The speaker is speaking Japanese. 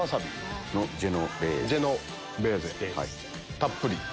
たっぷり。